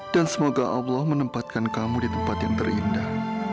dan semoga allah menempatkan kamu di tempat yang terindah